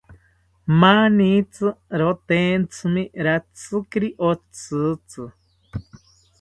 Manitzi rotentzimi ratzikiri otzitzi